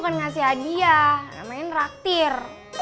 aku kan ngasih hadiah namanya raktir